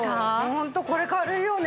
ホントこれ軽いよね。